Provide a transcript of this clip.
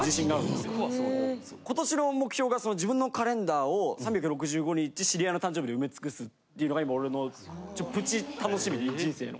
今年の目標が自分のカレンダーを３６５日知り合いの誕生日で埋め尽くすっていうのが俺のプチ楽しみで人生の。